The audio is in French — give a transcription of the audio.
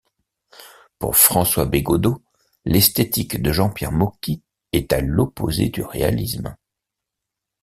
Pour François Bégaudeau, l'esthétique de Jean-Pierre Mocky est à l'opposé du réalisme.